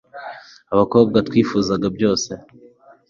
abakobwa twifuzaga byose